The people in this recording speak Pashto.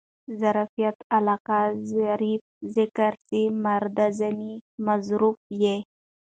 ظرفیت علاقه؛ ظرف ذکر سي مراد ځني مظروف يي.